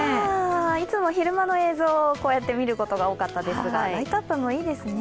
いつも昼間の映像をこうやって見ることがありますがライトアップもいいですね。